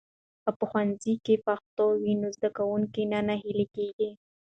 که په ښوونځي کې پښتو وي، نو زده کوونکي نه ناهيلي کېږي.